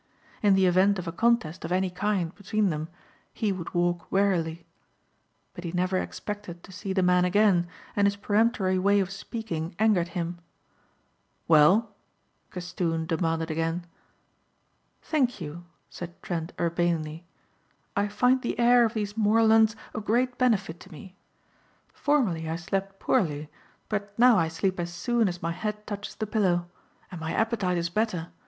In the event of a contest of any kind between them he would walk warily. But he never expected to see the man again and his peremptory way of speaking angered him. "Well?" Castoon demanded again. "Thank you," said Trent urbanely, "I find the air of these moorlands of great benefit to me. Formerly I slept poorly but now I sleep as soon as my head touches the pillow. And my appetite is better.